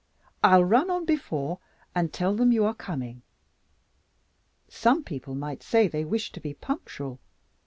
I'll run on before and tell them you are coming. Some people might say they wished to be punctual.